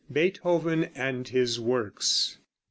BEETHOVEN AND HIS WORKS.